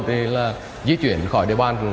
thì là di chuyển khỏi địa bàn